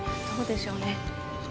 どうでしょうね。